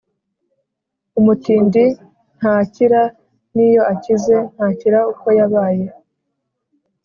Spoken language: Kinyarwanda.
Umutindi ntacyira niyo akize ntakira uko yabaye.